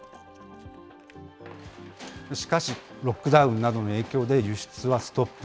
しかし、ロックダウンなどの影響で輸出はストップ。